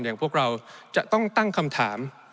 อย่างพวกเราจะต้องตั้งคำถาม